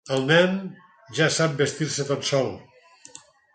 El nen ja sap vestir-se tot sol.